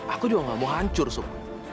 aku juga gak mau hancur sup